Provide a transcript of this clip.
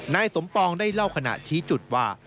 นายสมปองได้เล่าขณะชี้จุดว่า